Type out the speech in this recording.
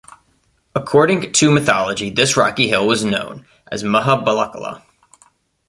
According to mythology, this rocky hill was known as Mahabalachala.